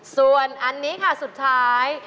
ส่วนอันนี้ค่ะสุดท้าย